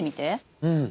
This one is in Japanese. うん。